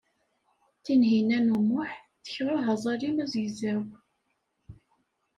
Tinhinan u Muḥ tekreh aẓalim azegzaw.